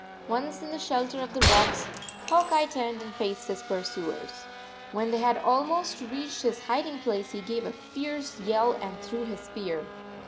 Once in the shelter of the rocks, Hawk Eye turned and faced his pursuers. When they had almost reached his hiding place he gave a fierce yell and threw his spear.